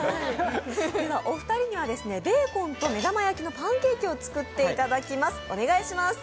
お二人にはベーコンと目玉焼きのパンケーキを作っていただきます。